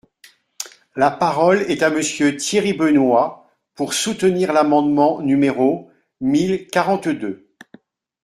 La parole est à Monsieur Thierry Benoit, pour soutenir l’amendement numéro mille quarante-deux.